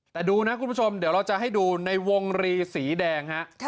แต่ดูนะคุณผู้ชมเดี๋ยวเราจะให้ดูในวงรีสีแดงฮะ